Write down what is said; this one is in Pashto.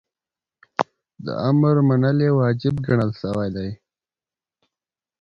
د امر منل یی واجب ګڼل سوی دی .